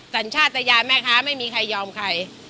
สัญชาติยานแม่ค้าไม่มีใครยอมใคร